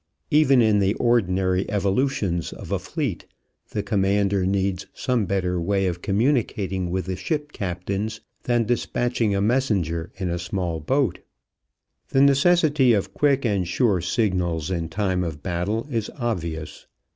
Even in the ordinary evolutions of a fleet the commander needs some better way of communicating with the ship captains than despatching a messenger in a small boat. The necessity of quick and sure signals in time of battle is obvious.